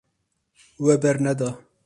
We berneda.